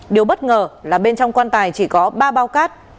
điều bất ngờ là bên trong quan tài chỉ có ba bao cát